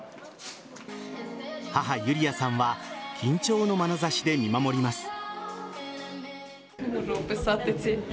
母・ユリヤさんは緊張のまなざしで見守りました。